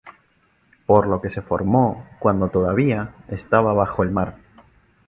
Por lo que se formó cuando todavía, estaba bajo el mar.